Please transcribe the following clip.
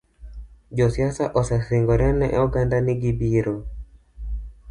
Josiasa osesingore ne oganda ni gibiro